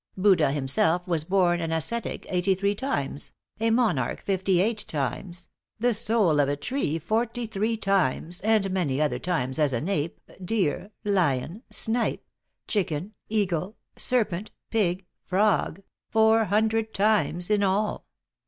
Buddha himself was born an ascetic eighty three times, a monarch fifty eight times, the soul of a tree forty three times, and many other times as an ape, deer, lion, snipe, chicken, eagle, serpent, pig, frog four hundred times in all!